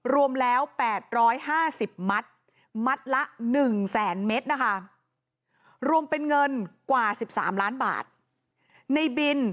รวมแล้ว๘๕๐มัตต์มัดละ๑แสนเมตรนะคะรวมเป็นเงินกว่า๑๓ล้านบาทในบิน